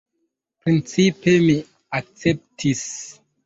Principe mi akceptis.